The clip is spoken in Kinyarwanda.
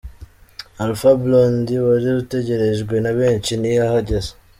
Alpha Blondy wari utegerejwe na benshi ntiyahageze.